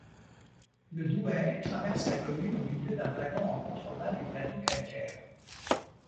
Le Douet traverse la commune au milieu d'un vallon en contrebas du plateau calcaire.